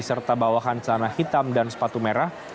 serta bawahan celana hitam dan sepatu merah